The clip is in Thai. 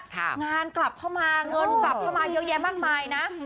งานกลับเข้ามาเงินกลับเข้ามาเยอะแยะมากมายนะ